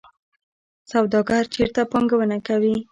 سوداګر چیرته پانګونه کوي؟